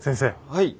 はい。